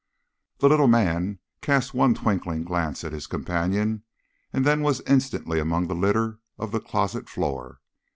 The little man cast one twinkling glance at his companion and then was instantly among the litter of the closet floor.